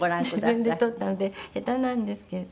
自分で撮ったので下手なんですけど。